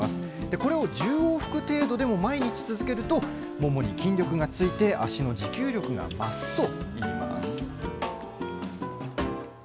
これを１０往復程度でも毎日続けると、ももに筋力がついて、足の持久力が増すといいます。